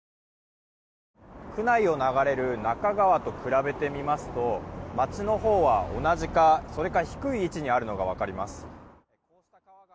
区内を流れる中川と比べてみますと街のほうは同じか低い位置にあるのが分かります。